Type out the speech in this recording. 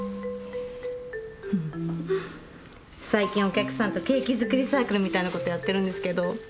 フフッ最近お客さんとケーキ作りサークルみたいなことやってるんですけど。